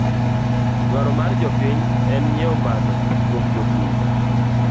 Dwaro mar jopiny en nyieo bando kwuom jopurr